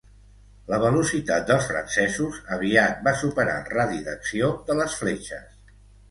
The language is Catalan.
La velocitat dels francesos aviat va superar el radi d'acció de les fletxes.